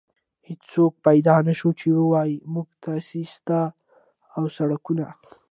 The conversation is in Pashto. هېڅوک پيدا نه شول چې ووايي موږ تاسيسات او سړکونه.